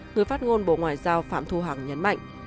người phát ngôn bộ ngoại giao phạm thu hằng nhấn mạnh